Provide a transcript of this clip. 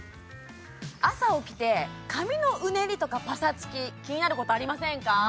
朝起きて髪のうねりとかパサつき気になることありませんか？